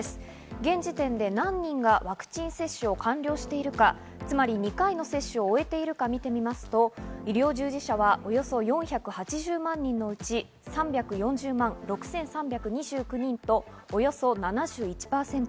現時点で何人がワクチン接種を完了しているか、つまり２回の接種を終えているか見てみると医療従事者はおよそ４８０万人のうち３４０万６３２９人と、およそ７１％。